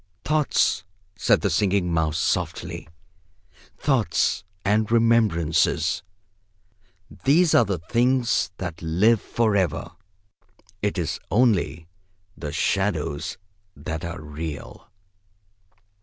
"Thoughts," said the Singing Mouse softly. "Thoughts and remembrances. These are the things that live for ever. It is only the shadows that are real!"